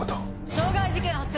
傷害事件発生。